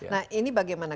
nah ini bagaimana